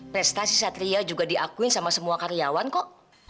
prestasi satria juga diakui sama semua karyawan kok